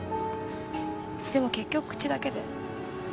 でも結局口だけで。